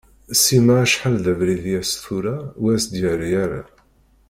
Sima acḥal d abrid i as-d-tura ur as-yerri ara.